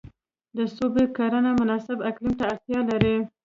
د سبو کرنه مناسب اقلیم ته اړتیا لري.